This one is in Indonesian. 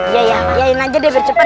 iya ya ayo nanya deh lebih cepet